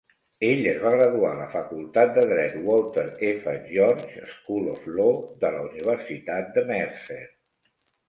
Ell es va graduar a la facultat de dret Walter F. George School of Law, de la Universitat de Mercer.